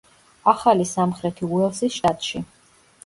ახალი სამხრეთი უელსის შტატში.